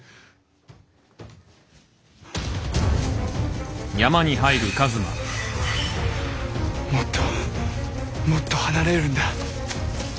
もっともっと離れるんだもっと！